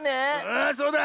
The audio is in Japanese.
⁉ああそうだ。